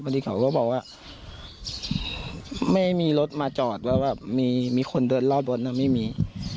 ดีเขาก็บอกว่าไม่มีรถมาจอดแล้วแบบมีคนเดินรอบบนไม่มี